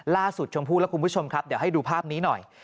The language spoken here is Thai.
ชมพู่และคุณผู้ชมครับเดี๋ยวให้ดูภาพนี้หน่อย